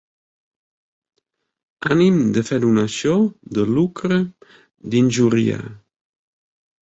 Ànim de fer donació, de lucre, d'injuriar.